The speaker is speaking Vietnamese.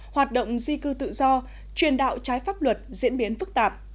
hoạt động di cư tự do truyền đạo trái pháp luật diễn biến phức tạp